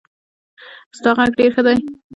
ستا غږ ډېر ښه دی.